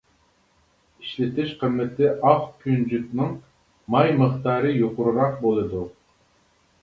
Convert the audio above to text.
ئىشلىتىش قىممىتى ئاق كۈنجۈتنىڭ ماي مىقدارى يۇقىرىراق بولىدۇ.